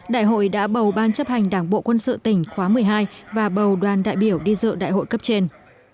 đại hội đã bầu ban chấp hành đảng bộ quân sự tỉnh khóa một mươi hai và bầu đoàn đại biểu đi dự đại hội cấp trên